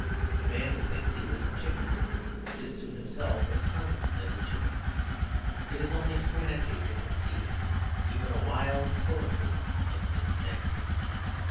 A man who thinks he is a chicken is to himself as common as a chicken. It is only sanity that can see even a wild poetry in insanity.